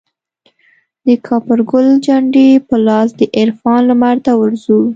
دکاپرګل جنډې په لاس دعرفان لمرته ورځو